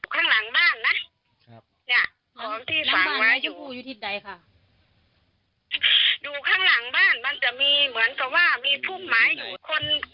ข้างหลังบ้านนะเนี่ยของที่ฝังไว้อยู่อยู่ข้างหลังบ้านมันจะมีเหมือนกับว่ามีผู้หมายอยู่